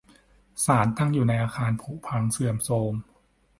ศาลตั้งอยู่ในอาคารผุพังเสื่อมโทรม